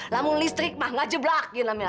lamun listrik mah ngejeblak gini namanya